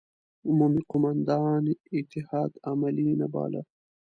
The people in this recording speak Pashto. عمومي قوماندان اتحاد عملي نه باله.